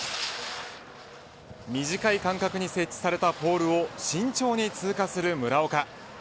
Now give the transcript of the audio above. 短い間隔に設置されたポールを慎重に通過する村岡。